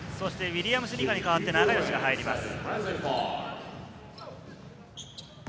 ウィリアムス・ニカに代わって永吉が入ります。